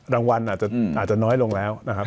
รางวัลอาจจะน้อยลงแล้ว